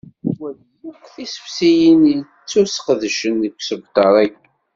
Wali akk tisefsiyin ittusqedcen deg usebter-agi.